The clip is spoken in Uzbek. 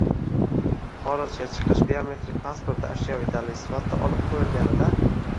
xorijga chiqish biometrik pasporti ashyoviy dalil sifatida olib qo‘yilganida.